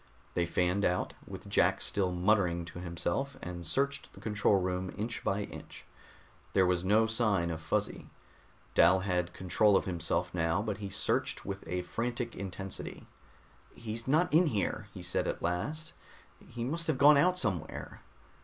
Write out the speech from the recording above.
They fanned out, with Jack still muttering to himself, and searched the control room inch by inch. There was no sign of Fuzzy. Dal had control of himself now, but he searched with a frantic intensity. "He's not in here," he said at last, "he must have gone out somewhere."